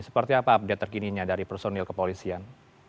seperti apa update terkininya dari personil kepolisian